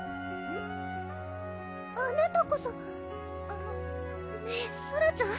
あなたこそあのねぇソラちゃん？